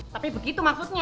tapi begitu maksudnya